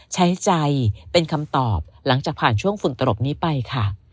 ใช้ใจเป็นคำตอบหลังจากผ่านช่วงฝุ่นตลบนี้ไปค่ะ